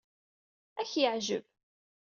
Ad ak-yeɛjeb.